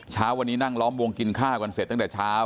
เช้าวันนี้นั่งล้อมวงกินข้าวกันเสร็จตั้งแต่เช้า